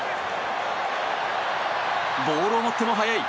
ボールを持っても速い！